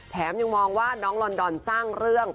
ยังมองว่าน้องลอนดอนสร้างเรื่อง